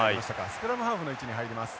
スクラムハーフの位置に入ります。